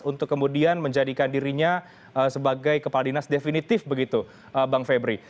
untuk kemudian menjadikan dirinya sebagai kepala dinas definitif begitu bang febri